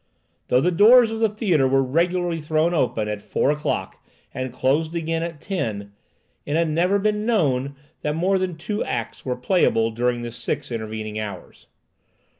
Though the doors of the theatre were regularly thrown open at four o'clock and closed again at ten, it had never been known that more than two acts were played during the six intervening hours.